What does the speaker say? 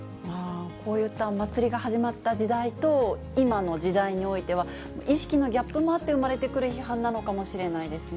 こういった祭りが始まった時代と、今の時代においては、意識のギャップもあって生まれてくる批判なのかもしれないですね。